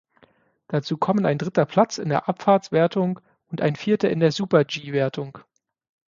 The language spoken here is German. Dazu kommen ein dritter Platz in der Abfahrtswertung und ein Vierter in der Super-G-Wertung.